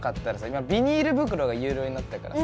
今ビニール袋が有料になったからさ